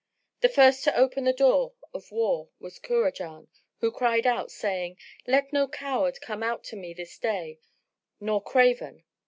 The first to open the door of war was Kurajan, who cried out, saying, "Let no coward come out to me this day nor craven!"